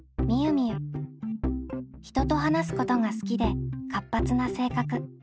人と話すことが好きで活発な性格。